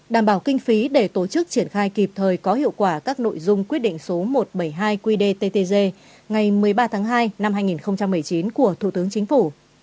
đảm bảo kinh phí để tổ chức triển khai kịp thời có hiệu quả các nội dung quyết định số một trăm bảy mươi hai qdttg ngày một mươi ba tháng hai năm hai nghìn một mươi chín của thủ tướng chính phủ